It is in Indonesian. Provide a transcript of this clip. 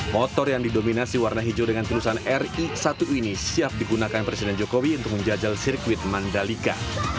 motor yang didominasi warna hijau dengan tulisan ri satu ini siap digunakan presiden jokowi untuk menjajal sirkuit mandalika